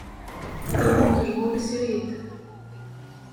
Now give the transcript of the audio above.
Yemmuqqel ɣur-i srid.